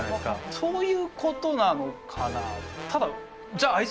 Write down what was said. そういうことなのかな？